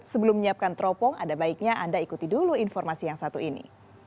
sebelum menyiapkan teropong ada baiknya anda ikuti dulu informasi yang satu ini